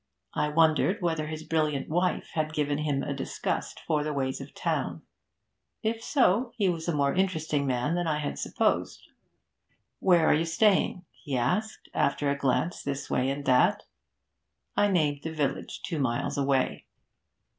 I wondered whether his brilliant wife had given him a disgust for the ways of town. If so, he was a more interesting man than I had supposed. 'Where are you staying?' he asked, after a glance this way and that. I named the village, two miles away.